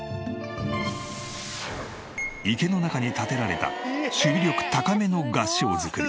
池の中に建てられた守備力高めの合掌造り。